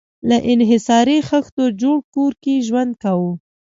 له انحصاري خښتو جوړ کور کې ژوند کاوه.